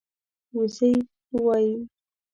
وزۍ وايي